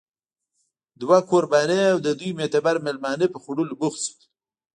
دوه کوربانه او د دوی معتبر مېلمانه په خوړلو بوخت شول